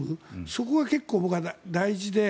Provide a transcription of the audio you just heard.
そこが結構、僕は大事で。